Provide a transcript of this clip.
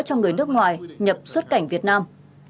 cho người nước ngoài nhập xuất cảnh việt nam